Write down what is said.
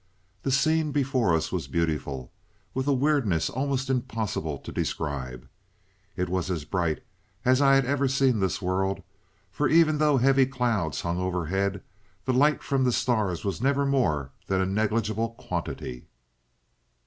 The scene before us was beautiful, with a weirdness almost impossible to describe. It was as bright as I had ever seen this world, for even though heavy clouds hung overhead, the light from the stars was never more than a negligible quantity.